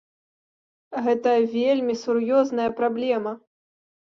Гэта вельмі сур'ёзная праблема.